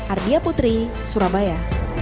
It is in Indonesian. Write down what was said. ardia putri surabaya